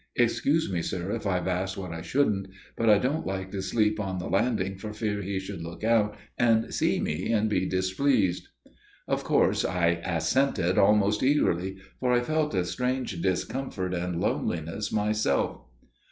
Excuse me, sir, if I've asked what I shouldn't. But I don't like to sleep on the landing for fear he should look out and see me, and be displeased." Of course I assented, almost eagerly, for I felt a strange discomfort and loneliness myself.